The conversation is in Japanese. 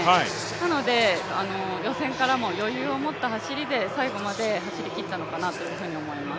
なので予選からも余裕を持った走りで、最後まで走りきったのかなというふうに思います。